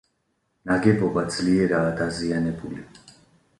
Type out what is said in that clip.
ნაგებობა ძლიერაა დაზიანებული.